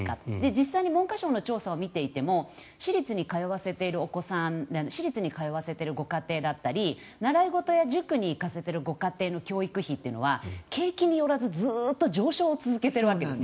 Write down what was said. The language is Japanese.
実際に文科省の調査を見ていても私立に通わせているご家庭だったり習い事や塾に行かせているご家庭の教育費というのは景気によらず、ずっと上昇を続けているわけなんです。